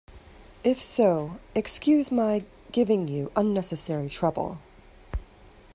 If so, excuse my giving you unnecessary trouble.